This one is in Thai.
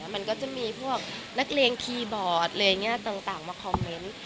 มันก็จะมีพวกนักเรียงคีย์บอร์ดต่างมาคอมเมนต์